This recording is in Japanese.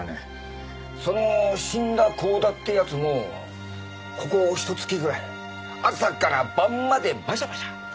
その死んだ光田って奴もここひと月ぐらい朝から晩までバシャバシャ。